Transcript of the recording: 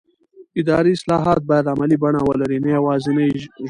اداري اصلاحات باید عملي بڼه ولري نه یوازې ژمنې